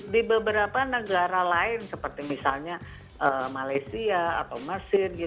di beberapa negara lain seperti misalnya malaysia atau mesir